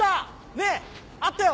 ねえあったよ！